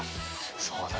そうだな。